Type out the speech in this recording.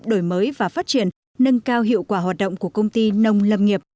đổi mới và phát triển nâng cao hiệu quả hoạt động của công ty nông lâm nghiệp